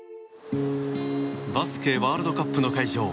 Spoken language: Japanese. バスケワールドカップの会場